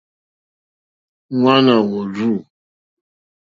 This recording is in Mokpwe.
Ŋwáná wùrzû.